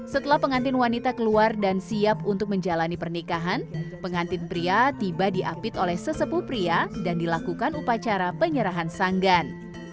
setelah pengantin wanita keluar dan siap untuk menjalani pernikahan pengantin pria tiba diapit oleh sesepuh pria dan dilakukan upacara penyerahan sanggan